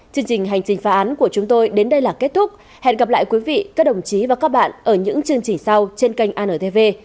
chương trình hành trình phá án của chúng tôi đến đây là kết thúc hẹn gặp lại quý vị các đồng chí và các bạn ở những chương trình sau trên kênh antv